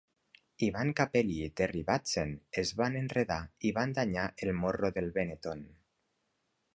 Ivan Capelli i Thierry Boutsen es van enredar i van danyar el morro del Benetton.